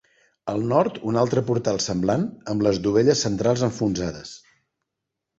Al nord, un altre portal semblant, amb les dovelles centrals enfonsades.